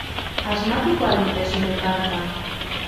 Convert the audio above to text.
Asmatuko al dute zure karta?